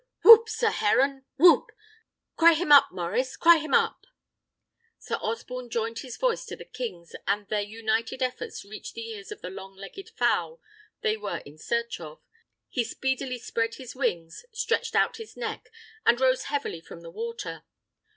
Whoop! sir heron! whoop! Cry him up, Maurice! cry him up!" Sir Osborne joined his voice to the king's; and their united efforts reaching the ears of the long legged fowl they were in search of, he speedily spread his wings, stretched out his neck, and rose heavily from the water.